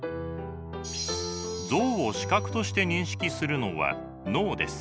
像を視覚として認識するのは脳です。